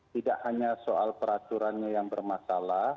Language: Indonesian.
tidak hanya soal peraturannya yang bermasalah